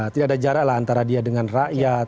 tidak ada jarak lah antara dia dengan rakyat